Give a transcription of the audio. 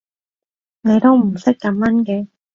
你都唔識感恩嘅